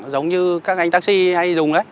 giống như các anh taxi hay dùng đấy